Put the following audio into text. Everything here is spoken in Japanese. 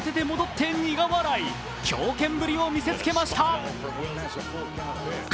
三塁ランナー慌てて戻って苦笑い、強肩ぶりを見せつけました。